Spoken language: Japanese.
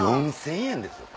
４０００円ですよ。